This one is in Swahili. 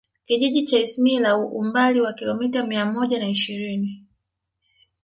Kijiji cha Isimila umbali wa kilomita mia moja na ishirini